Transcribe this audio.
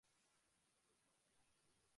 গভীর একটা শ্বাস নিই।